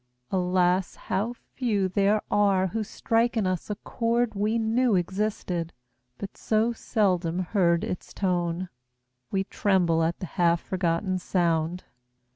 Alas, how few There are who strike in us a chord we knew Existed, but so seldom heard its tone We tremble at the half forgotten sound.